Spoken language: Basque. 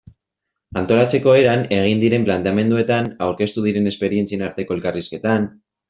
Antolatzeko eran, egin diren planteamenduetan, aurkeztu diren esperientzien arteko elkarrizketan...